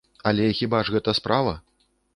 Але хіба ж гэта справа?